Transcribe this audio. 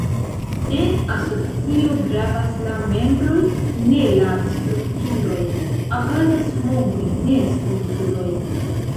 En asocio gravas la membroj ne la strukturoj; agadas homoj ne strukturoj.